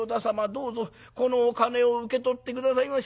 どうぞこのお金を受け取って下さいまし」。